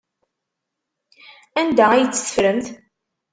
Anda ay tt-teffremt?